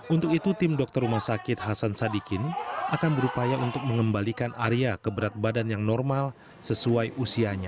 untuk itu tim dokter rumah sakit hasan sadikin akan berupaya untuk mengembalikan arya ke berat badan yang normal sesuai usianya